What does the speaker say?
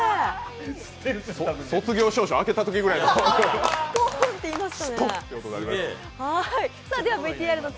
卒業証書開けたときぐらいの。